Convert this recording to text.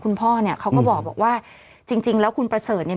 คุณพ่อเนี่ยเขาก็บอกว่าจริงจริงแล้วคุณประเสริฐเนี่ย